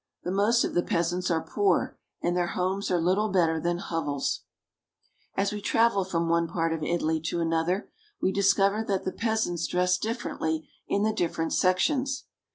The most of the peasants are poor and their homes are little better than hovels. As we travel from one part of Italy to another, we discover that the peasants dress differently in the different sections.